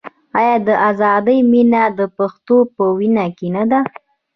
آیا د ازادۍ مینه د پښتون په وینه کې نه ده؟